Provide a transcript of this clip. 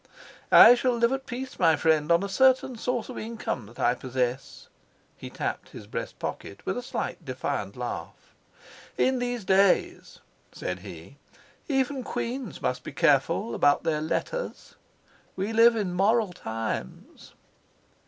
"I shall live at peace, my friend, on a certain source of income that I possess." He tapped his breast pocket with a slight, defiant laugh. "In these days," said he, "even queens must be careful about their letters. We live in moral times."